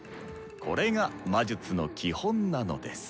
これが魔術の基本なのです」。